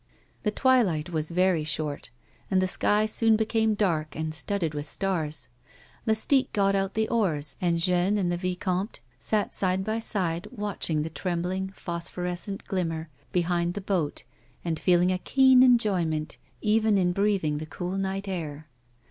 The twilight was very short, and the sky soon became dark and studded with stars. Lastique got out the oars, and Jeanne and the vicomte sat side by side watching the trembling, phosphorescent glimmer behind the boat and feeling a keen enjoyment even in breathing the cool night air.